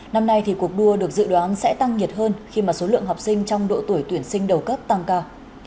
năm nay thì cuộc đua được dự đoán sẽ tăng nhiệt hơn khi mà số lượng học sinh trong độ tuổi tuyển sinh đầu cấp tăng cao